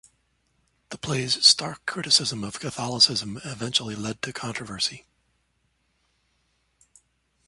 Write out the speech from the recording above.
The play's stark criticism of Catholicism eventually led to controversy.